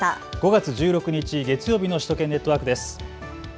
５月１６日月曜日の首都圏ネットワークです。